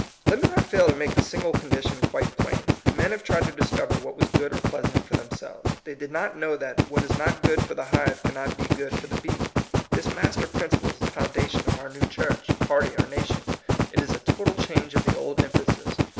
Let me not fail to make the single con dition quite plain. Men have tried to discover what was good or pleasant for themselves. They did not know that *^what is not good for the hive cannot be good for the bee." *This master princi ple is the foundation of our new church, 178 THE COMING PEOPLE. party, or nation. It is a total change of the old emphasis.